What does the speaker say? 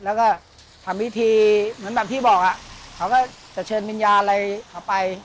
แล้วก็ทำวิธีเหมือนแบบที่บอกเขาก็จะเชิญวิญญาณอะไรเขาไป